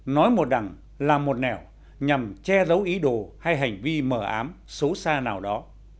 nói một đằng là một nẻo nhằm che giấu ý đồ hay hành vi mờ ám xấu xa nào đó